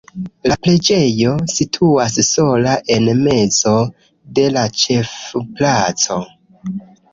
La preĝejo situas sola en mezo de la ĉefplaco.